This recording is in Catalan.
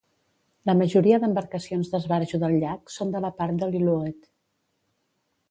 La majoria d'embarcacions d'esbarjo del llac són de la part de Lillooet.